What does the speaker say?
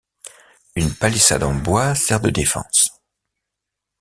Une palissade en bois sert de défense.